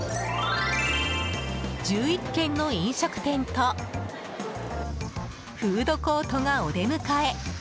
１１軒の飲食店とフードコートがお出迎え。